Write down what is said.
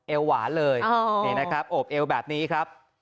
เอลหวานเลยโอบเอลแบบนี้ครับ